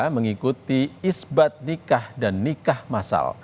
mengikuti isbat nikah dan nikah masal